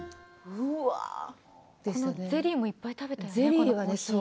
ゼリーもいっぱい食べたんですか？